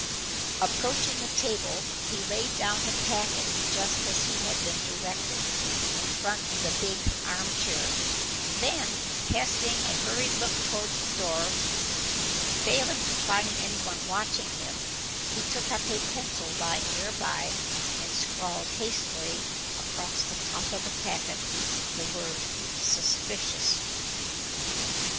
Approaching the table, he laid down the packet just as he had been directed, in front of the big arm chair, and then, casting a hurried look towards the door and failing to find anyone watching him, he took up a pencil lying near by and scrawled hastily across the top of the packet the word "Suspicious."